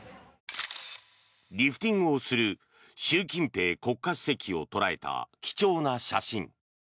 リフティングをする習近平国家主席を捉えた貴重な写真。